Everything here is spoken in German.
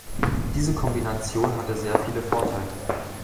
Diese Kombination hatte sehr viele Vorteile.